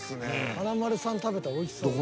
［華丸さん食べたらおいしそう］